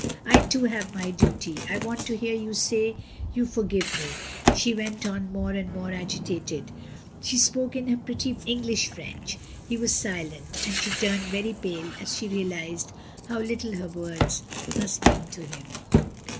I too have my duty. I want to hear you say you for give me," she went on more and more agitated. She spoke in her pretty English French. He was silent, and she turned very pale as she realised how little her words must mean to him.